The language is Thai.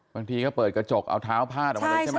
บางทีก็เปิดกระจกเอาเท้าพาดออกมาเลยใช่ไหม